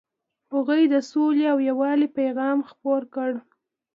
هغوی د سولې او یووالي پیغام خپور کړ.